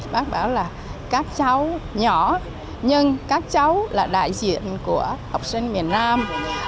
bác bảo là các cháu nhỏ nhưng các cháu là đại diện của học sinh miền nam